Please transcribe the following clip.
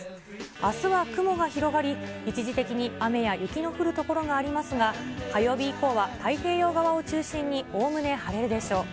あすは雲が広がり、一時的に雨や雪の降る所がありますが、火曜日以降は太平洋側を中心におおむね晴れるでしょう。